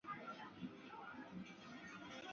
而盐正是自贡最重要的产业。